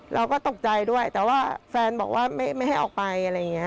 เราก็ตกใจด้วยแต่ว่าแฟนบอกว่าไม่ให้ออกไปอะไรอย่างนี้